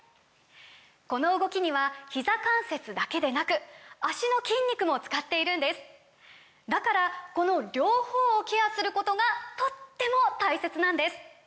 この動きにはひざ関節だけでなく脚の筋肉も使っているんですだからこの両方をケアすることがとっても大切なんです！